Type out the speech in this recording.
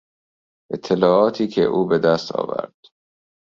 اطلاعاتی که او به دست آورد